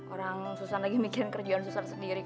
orang susah lagi mikirin kerjaan susah sendiri kok